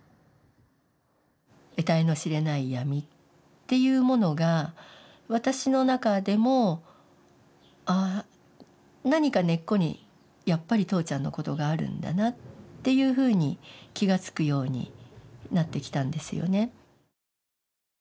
えたいの知れない闇っていうものが私の中でもああ何か根っこにやっぱり父ちゃんのことがあるんだなっていうふうに気がつくようになってきたんですよね。